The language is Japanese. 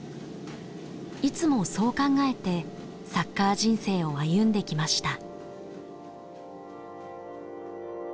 いつもそう考えてサッカー人生を歩んできました。